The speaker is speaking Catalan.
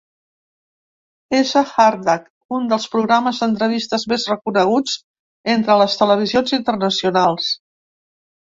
És a Hardtalk, un dels programes d’entrevistes més reconeguts entre les televisions internacionals.